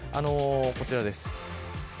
こちらです。